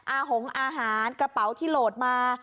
หงอาหารกระเป๋าที่โหลดมา